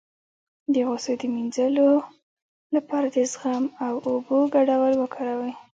د غوسې د مینځلو لپاره د زغم او اوبو ګډول وکاروئ